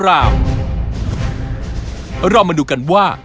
เรามาดูกันว่า